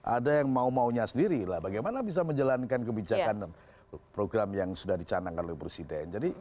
ada yang mau maunya sendiri lah bagaimana bisa menjalankan kebijakan program yang sudah dicanangkan oleh presiden